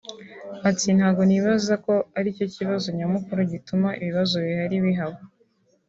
Ati “Ntago nibaza ko aricyo kibazo nyamukuru gituma ibibazo bihari bihaba